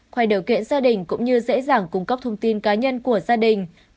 khoanh điều kiện gia đình cũng như dễ dàng cung cấp thông tin cá nhân của gia đình